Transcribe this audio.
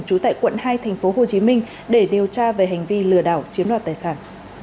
trú tại quận hai tp hồ chí minh để điều tra về hành vi lừa đảo chiếm đoạt tài sản